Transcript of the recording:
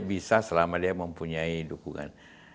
bisa selama dia mempunyai dukungan